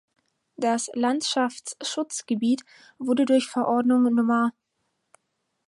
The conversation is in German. Das Landschaftsschutzgebiet wurde durch Verordnung Nr.